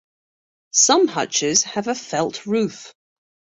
Some hutches have a felt roof.